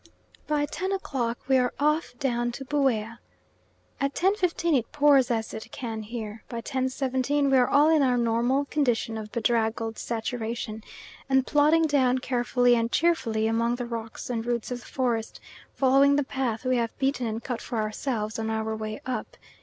By 10 o'clock we are off down to Buea. At 10.15 it pours as it can here; by 10.17 we are all in our normal condition of bedraggled saturation, and plodding down carefully and cheerfully among the rocks and roots of the forest, following the path we have beaten and cut for ourselves on our way up.